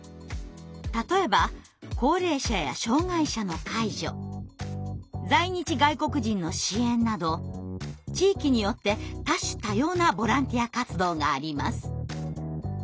例えば高齢者や障害者の介助在日外国人の支援など地域によって多種多様なボランティア活動があります。